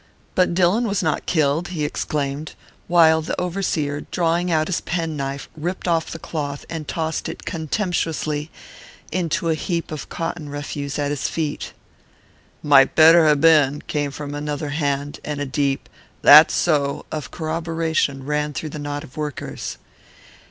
"But Dillon was not killed," he exclaimed, while the overseer, drawing out his pen knife, ripped off the cloth and tossed it contemptuously into a heap of cotton refuse at his feet. "Might better ha' been," came from another hand; and a deep "That's so" of corroboration ran through the knot of workers.